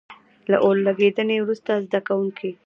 که له اور لګېدنې وروسته زده کوونکي.